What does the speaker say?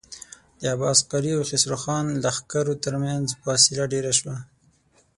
د عباس قلي او خسرو خان د لښکرو تر مينځ فاصله ډېره شوه.